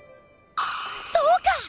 そうか！